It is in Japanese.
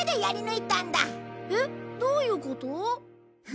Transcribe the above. えっ？どういうこと？